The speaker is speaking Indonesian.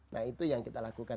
nah itu yang kita lakukan